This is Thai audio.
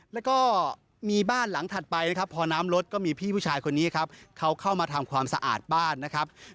แล้วก็มีบ้านหลังถัดไปนะครับพอน้ำลดก็มีพี่ผู้ชายคนนี้ครับเขาเข้ามาทำความสะอาดบ้านนะครับ